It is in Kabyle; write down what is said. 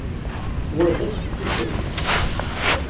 Wa d asefk i kemm.